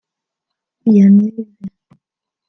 Yanez